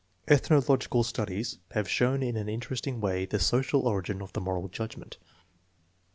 Ethnological studies have shown in an interesting way the social origin of the moral judgment.